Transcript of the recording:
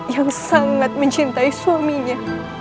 yang sangat mencintai suaminya